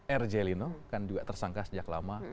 erjelino kan juga tersangka sejak lama